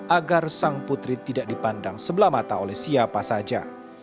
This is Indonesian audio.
agar sang putri tidak dipandang sebelah mata oleh siapa saja